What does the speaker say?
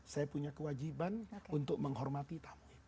saya punya kewajiban untuk menghormati tamu